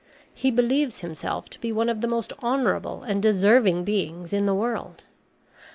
He believes himself to be one of the most honourable and deserving beings in the world.